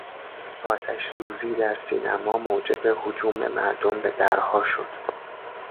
آتش سوزی در سینما موجب هجوم مردم به درها شد.